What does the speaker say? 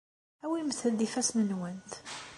Awimt-d ifassen-nwent.